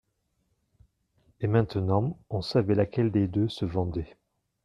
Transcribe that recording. Et, maintenant, on savait laquelle des deux se vendait.